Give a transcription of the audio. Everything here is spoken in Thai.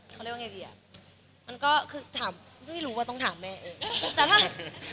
คือที่จริงแล้วเนี่ยมันก็คือไม่รู้ว่าต้องถามแม่เอ้ย